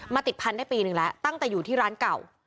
ติดพันธุ์ได้ปีนึงแล้วตั้งแต่อยู่ที่ร้านเก่า